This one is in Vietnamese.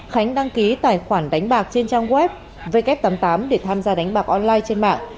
khánh đăng ký tài khoản đánh bạc trên trang web w tám mươi tám để tham gia đánh bạc online trên mạng